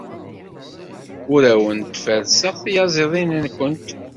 Ur awent-ferrseɣ tiyaziḍin-nwent.